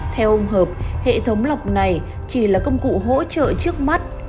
theo ông hợp hệ thống lọc này chỉ là công cụ hỗ trợ trước mắt